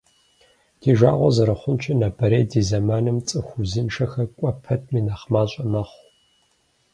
Ди жагъуэ зэрыхъунщи, нобэрей ди зэманым цӏыху узыншэхэр кӏуэ пэтми нэхъ мащӏэ мэхъу.